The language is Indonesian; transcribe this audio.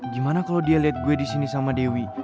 gimana kalo dia liat gue disini sama dewi